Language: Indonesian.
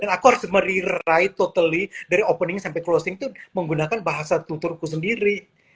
dan aku harus mer re write totally dari opening sampai closing itu menggunakan bahasa tutorku sendiri